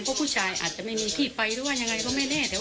เพราะพูดใหญ่อาจจะไม่มีที่ไปด้วยยังไงก็ไม่แน่